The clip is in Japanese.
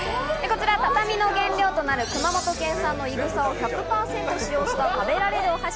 こちら、畳の原料となる熊本県産のいぐさを１００％使用した食べられるお箸。